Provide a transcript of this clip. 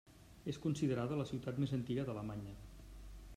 És considerada la ciutat més antiga d'Alemanya.